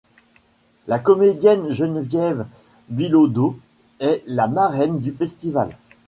La comédienne Geneviève Bilodeau est la marraine du festival.